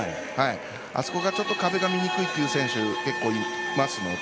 あそこがちょっと壁が見にくいという選手結構いますので。